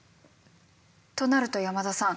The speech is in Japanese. となると山田さん